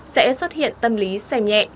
sẽ xuất hiện tâm lý xem nhẹ